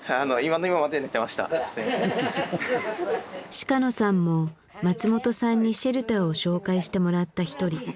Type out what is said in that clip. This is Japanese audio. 鹿野さんも松本さんにシェルターを紹介してもらった一人。